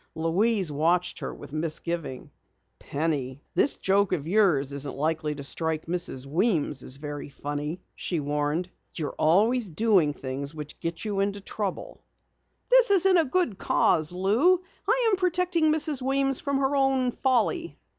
Louise watched her with misgiving. "Penny, this joke of yours isn't likely to strike Mrs. Weems as very funny," she warned. "You're always doing things which get you into trouble." "This is in a good cause, Lou. I am protecting Mrs. Weems from her own folly."